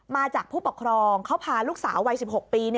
ผู้ปกครองเขาพาลูกสาววัย๑๖ปี